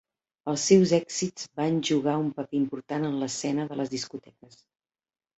Els seus èxits van jugar un paper important en l'escena de les discoteques.